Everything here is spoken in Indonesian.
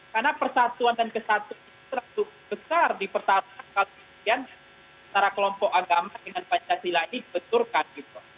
karena persatuan dan kesatuan itu terlalu besar di pertarungan kalau kemudian para kelompok agama dengan pancasila ini dibenturkan gitu